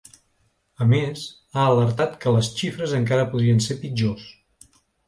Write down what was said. A més, ha alertat que les xifres encara podrien ser pitjors.